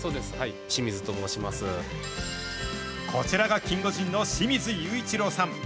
こちらがキンゴジンの清水雄一郎さん。